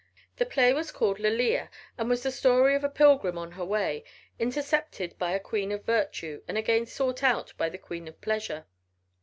The play was called Lalia, and was the story of a pilgrim on her way, intercepted by a Queen of Virtue and again sought out by the Queen of Pleasure.